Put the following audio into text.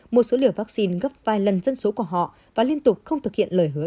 một số liều vaccine gấp vài lần dân số của họ và liên tục không thực hiện lời hứa